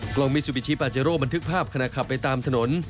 มิซูบิชิปาเจโร่บันทึกภาพขณะขับไปตามถนน